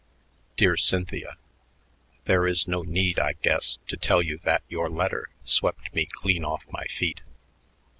Dear Cynthia: There is no need, I guess, to tell you that your letter swept me clean off my feet.